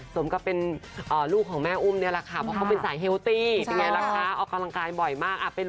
สมกับเป็นลูกของแม่อุ้มเนี่ยแหละค่ะเพราะเขาเป็นสายเฮลตี้เป็นไงล่ะคะออกกำลังกายบ่อยมาก